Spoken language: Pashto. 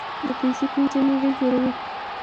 د فزیک انجینري جوړوي.